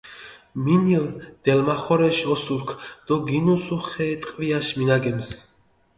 მინილჷ დელმახორეშ ოსურქ დო გინუსუ ხე ტყვიაშ მინაგემს.